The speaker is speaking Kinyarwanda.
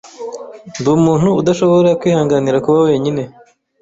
Ndi umuntu udashobora kwihanganira kuba wenyine.